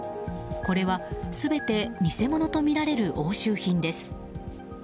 これは全て偽物とみられる押収品です。